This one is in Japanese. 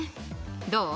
どう？